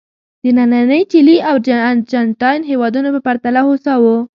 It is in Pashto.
د نننۍ چیلي او ارجنټاین هېوادونو په پرتله هوسا وو.